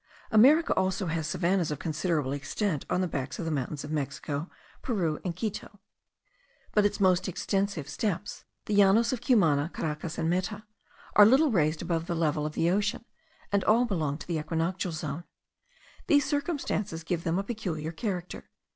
America also has savannahs of considerable extent on the backs of the mountains of Mexico, Peru, and Quito; but its most extensive steppes, the Llanos of Cumana, Caracas, and Meta, are little raised above the level of the ocean, and all belong to the equinoctial zone. These circumstances give them a peculiar character.